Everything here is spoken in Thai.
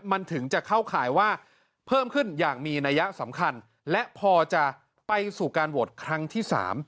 มันถึงจะเข้าข่ายว่าเพิ่มขึ้นอย่างมีนัยสำคัญและพอจะไปสู่การโหวตครั้งที่๓